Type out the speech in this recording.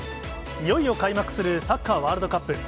いよいよ開幕するサッカーワールドカップ。